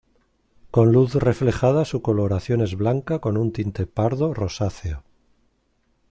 Con luz reflejada su coloración es blanca con un tinte pardo rosáceo.